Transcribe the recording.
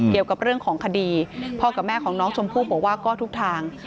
เกี่ยวกับเรื่องของคดีพ่อกับแม่ของน้องชมพู่บอกว่าก็ทุกทาง